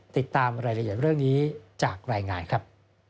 ติดตามรายละเอียดเรื่องนี้จากรายงานครับ